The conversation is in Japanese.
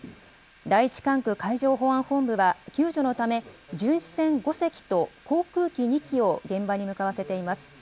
第１管区海上保安本部は、救助のため、巡視船５隻と航空機２機を現場に向かわせています。